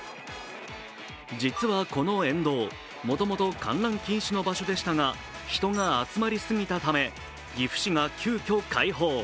実はこの沿道、もともと観覧禁止の場所でしたが人が集まりすぎたため岐阜市が急きょ開放。